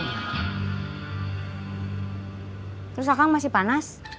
terus akang masih panas